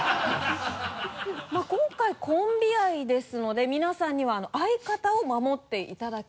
まぁ今回コンビ愛ですので皆さんには相方を守っていただき。